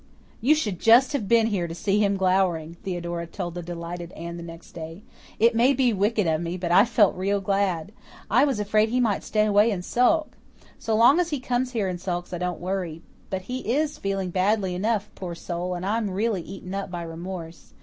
"You should just have been here to see him glowering," Theodora told the delighted Anne the next day. "It may be wicked of me, but I felt real glad. I was afraid he might stay away and sulk. So long as he comes here and sulks I don't worry. But he is feeling badly enough, poor soul, and I'm really eaten up by remorse.